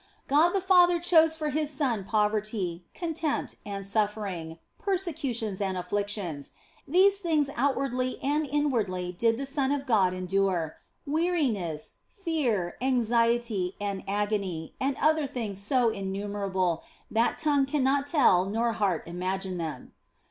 God the Father chose for His Son poverty, contempt, and suffering, persecutions and afflictions, these things out wardly and inwardly did the Son of God endure weariness, fear, anxiety, and agony, and other things so innumerable that tongue cannot tell nor heart imagine them.